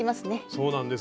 そうなんです。